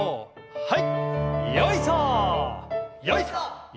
はい！